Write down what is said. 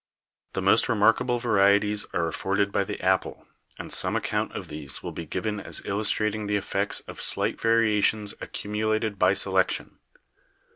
"The most remarkable varieties are afforded by the apple, and some account of these will be given as illustrating the effects of slight variations accumulated by selection.